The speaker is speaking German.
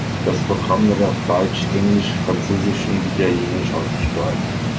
Das Programm wird auf Deutsch, Englisch, Französisch und Italienisch ausgestrahlt.